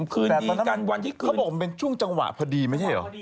คืนดีกันวันที่เขาบอกมันเป็นช่วงจังหวะพอดีไม่ใช่เหรอ